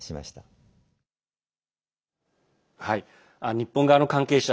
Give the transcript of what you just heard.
日本側の関係者